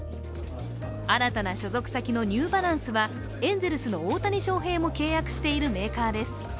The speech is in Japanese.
新たな所属先のニューバランスはエンゼルスの大谷翔平も契約しているメーカーです。